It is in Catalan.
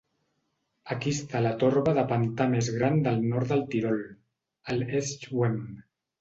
Aquí està la torba de pantà més gran del nord del Tirol, el "Schwemm".